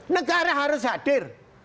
negara harus hadir